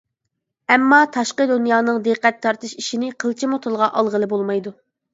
ئەمما تاشقى دۇنيانىڭ دىققەت تارتىش ئىشىنى قىلچىمۇ تىلغا ئالغىلى بولمايدۇ .